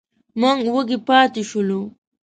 موږ وږي پاتې شولو.